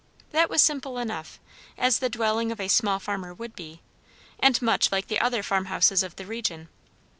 That was simple enough, as the dwelling of a small farmer would be, and much like the other farm houses of the region.